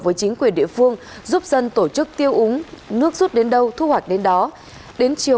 với các huyện địa phương giúp dân tổ chức tiêu uống nước rút đến đâu thu hoạch đến đó đến chiều